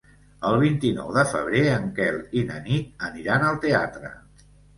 El vint-i-nou de febrer en Quel i na Nit aniran al teatre.